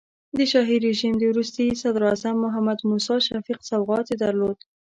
د شاهي رژیم د وروستي صدراعظم محمد موسی شفیق سوغات یې درلود.